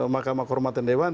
mahkamah kehormatan dewan